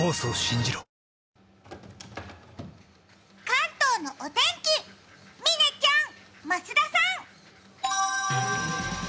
関東のお天気、嶺ちゃん、増田さん！